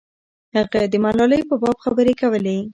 هغه د ملالۍ په باب خبرې کولې.